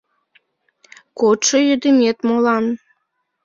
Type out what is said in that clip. Кодшо йӱдымет молан